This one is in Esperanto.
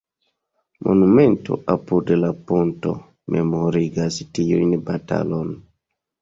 Monumento apud la ponto memorigas tiun batalon.